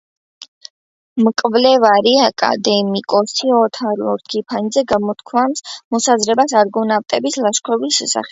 მკვლევარი აკადემიკოსი ოთარ ლორთქიფანიძე გამოთქვამს მოსაზრებას არგონავტების ლაშქრობის შესახებ